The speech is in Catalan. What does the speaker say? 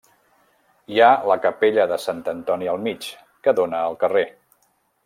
Hi ha la capella de Sant Antoni al mig, que dóna al carrer.